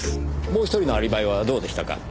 もう１人のアリバイはどうでしたか？